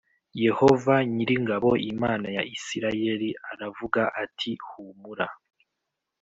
Yehova nyir ingabo Imana ya Isirayeli aravuga ati humura